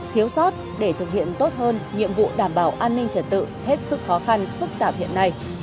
thiếu sót để thực hiện tốt hơn nhiệm vụ đảm bảo an ninh trật tự hết sức khó khăn phức tạp hiện nay